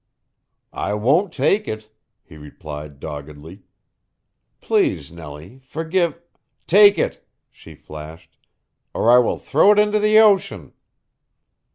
"I won't take it," he replied doggedly. "Please, Nellie, forgive " "Take it," she flashed, "or I will throw it into the ocean!"